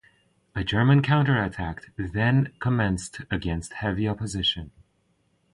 A German counter-attack then commenced against heavy opposition.